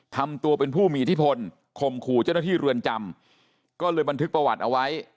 ทำตัวเป็นผู้มีอิทธิพลข่มขู่เจ้าหน้าที่เรือนจำก็เลยบันทึกประวัติเอาไว้